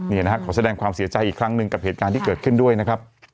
นี่นะครับขอแสดงความเสียใจอีกครั้งหนึ่งกับเหตุการณ์ที่เกิดขึ้นด้วยนะครับ